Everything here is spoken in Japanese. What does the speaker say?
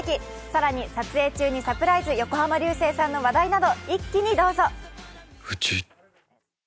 更に撮影中にサプライズ、横浜流星さんの話題など一気にどうぞ。